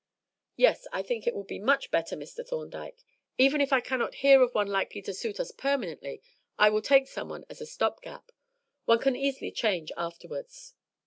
"Yes, I think it will be much better, Mr. Thorndyke. Even if I cannot hear of one likely to suit us permanently, I will take someone as a stop gap. One can easily change afterwards."